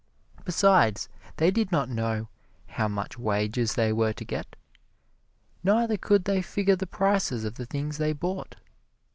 Besides, they did not know how much wages they were to get, neither could they figure the prices of the things they bought.